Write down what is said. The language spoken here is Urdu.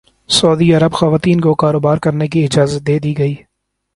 سعودی عرب خواتین کو کاروبار کرنے کی اجازت دے دی گئی